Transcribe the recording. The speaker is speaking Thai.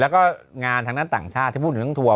แล้วก็งานทั้งด้านต่างชาติพูดถึงทัวร์